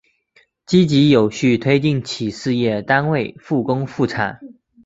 积极有序推进企事业单位复工复产